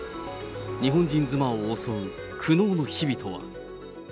日本人妻を襲う苦悩の日々とは。